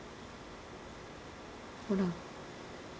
ほら。